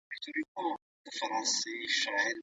پلار د اولادونو خندا ته خوشحال دی.